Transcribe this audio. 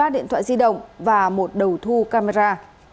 một mươi ba điện thoại di động và một đầu thu camera